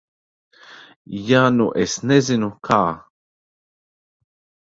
Ja nu es nezinu, kā?